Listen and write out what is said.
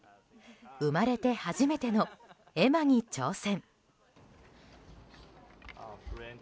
生まれて初めての絵馬に挑戦。